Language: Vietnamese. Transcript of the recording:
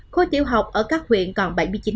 khối tiểu học ở các huyện còn bảy mươi chín